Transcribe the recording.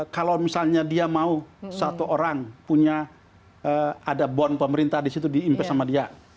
kalau misalnya dia mau satu orang punya ada bond pemerintah disitu diimpest sama dia